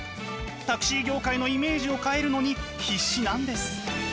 タクシー業界のイメージを変えるのに必死なんです。